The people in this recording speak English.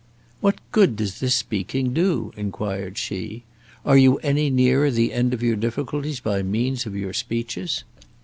"What good does this speaking do?" inquired she. "Are you any nearer the end of your difficulties by means of your speeches?"